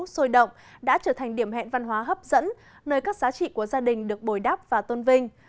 sôi động đã trở thành điểm hẹn văn hóa hấp dẫn nơi các giá trị của gia đình được bồi đắp và tôn vinh